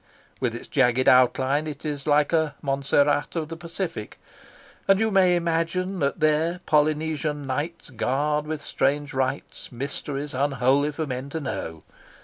With its jagged outline it is like a Monseratt of the Pacific, and you may imagine that there Polynesian knights guard with strange rites mysteries unholy for men to know.